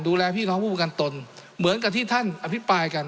ดูแลพี่น้องผู้ประกันตนเหมือนกับที่ท่านอภิปรายกัน